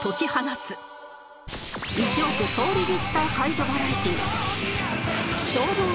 『一億総リミッター解除バラエティ』